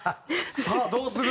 さあどうする？